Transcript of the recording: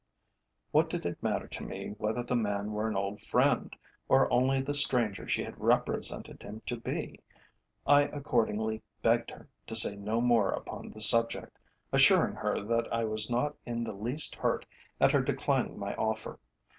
What did it matter to me whether the man were an old friend, or only the stranger she had represented him to be? I accordingly begged her to say no more upon the subject, assuring her that I was not in the least hurt at her declining my offer.